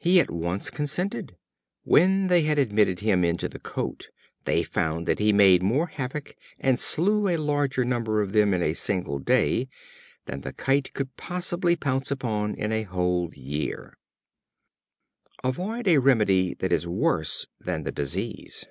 He at once consented. When they had admitted him into the cote, they found that he made more havoc and slew a larger number of them in a single day, than the Kite could possibly pounce upon in a whole year. Avoid a remedy that is worse than the disease.